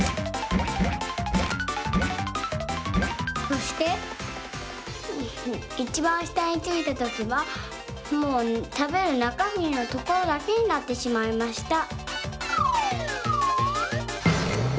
そしていちばんしたについたときはもうたべるなかみのところだけになってしまいました。